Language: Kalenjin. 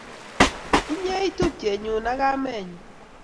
Inye ii u tupchenyu ak kamenyu